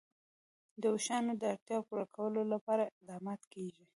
د اوښانو د اړتیاوو پوره کولو لپاره اقدامات کېږي.